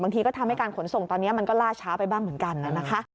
ที่ก็ทำให้การขนส่งตอนนี้มันก็ล่าช้าไปบ้างเหมือนกันนะคะ